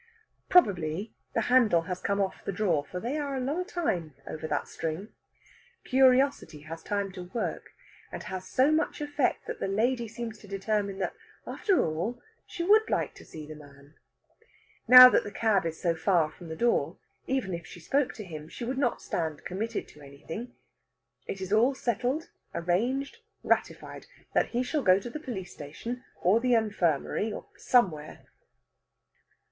Probably the handle has come off the drawer, for they are a long time over that string. Curiosity has time to work, and has so much effect that the lady seems to determine that, after all, she would like to see the man. Now that the cab is so far from the door, even if she spoke to him, she would not stand committed to anything. It is all settled, arranged, ratified, that he shall go to the police station, or the infirmary, "or somewhere."